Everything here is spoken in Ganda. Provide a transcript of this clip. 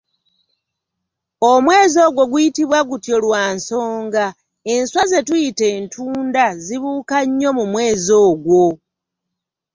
Omwezi ogwo guyitibwa gutyo lwa nsonga, enswa ze tuyita, "Entunda" zibuuka nnyo mu mwezi ogwo.